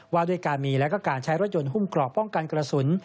ว่าด้วยการมีและการใช้รถยนต์หุ้มกรอบป้องกันกระสุน